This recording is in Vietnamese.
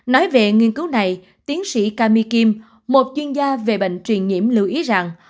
nói về nghiên cứu này tiến sĩ kami kim một chuyên gia về bệnh truyền nhiễm lưu ý rằng